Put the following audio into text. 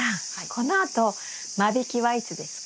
このあと間引きはいつですか？